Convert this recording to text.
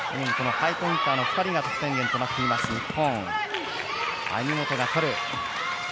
ハイポインターの２人が得点源となっています、日本。